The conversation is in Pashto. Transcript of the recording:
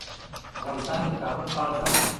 افغانستان کې د کابل په اړه زده کړه کېږي.